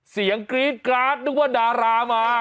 เสียงกรี๊ดการ์ดนึกว่าดารามา